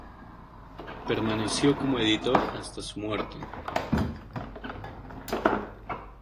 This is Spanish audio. Permaneció como editor hasta su muerte.